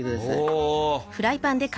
お。